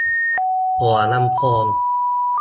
หัวลำโพง